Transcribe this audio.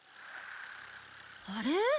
あれ？